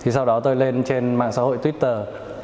sau đó tôi lên trên mạng xã hội twitter